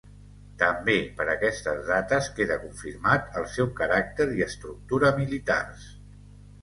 També per aquestes dates queda confirmat el seu caràcter i estructura militars.